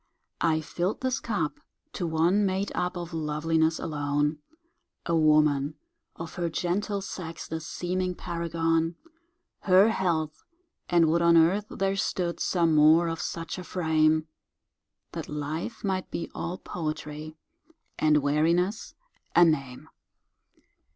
I fill'd this cup to one made up Of loveliness alone, A woman, of her gentle sex The seeming paragon— Her health! and would on earth there stood, Some more of such a frame, That life might be all poetry, And weariness a name.